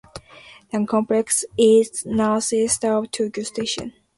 The complex is north-east of Tokyo Station.